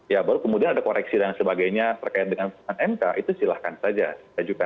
ya baru kemudian ada koreksi dan sebagainya terkait dengan mk itu silahkan saja